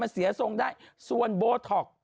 มันเสียทรงได้ส่วนโบท็อกฟิลเลอร์